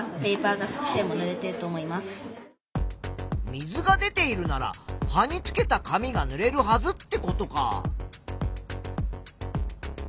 水が出ているなら葉につけた紙がぬれるはずってことか。